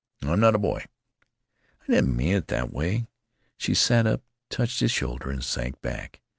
"I'm not a boy." "I don't mean it that way." She sat up, touched his shoulder, and sank back.